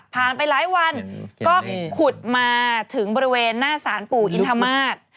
ไปหลายวันก็ขุดมาถึงบริเวณหน้าสารปู่อินทมาศ